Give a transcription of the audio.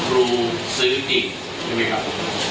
รู้สื้ออยู่จริงอย่างไรครับ